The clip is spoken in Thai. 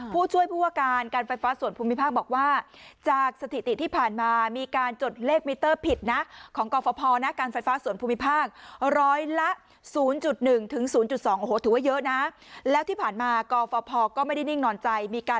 ผู้ช่วยผู้อาการการไฟฟ้าส่วนภูมิภาคบอกว่าจากสถิติที่ผ่านมามีการจดเลขมิเตอร์ผิดนะ